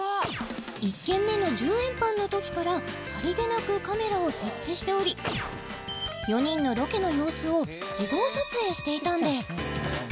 １軒目の１０円パンのときからさりげなくカメラを設置しており４人のロケの様子を自動撮影していたんです